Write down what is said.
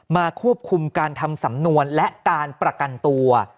ควบคุมการทำสำนวนและการประกันตัว